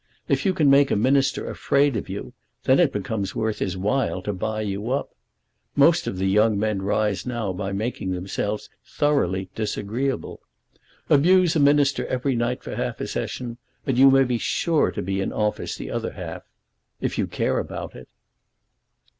If you can make a Minister afraid of you, then it becomes worth his while to buy you up. Most of the young men rise now by making themselves thoroughly disagreeable. Abuse a Minister every night for half a session, and you may be sure to be in office the other half, if you care about it."